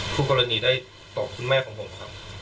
ผู้กรณีได้ตอบคุณแม่ของผมครับ